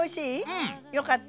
うん！よかった。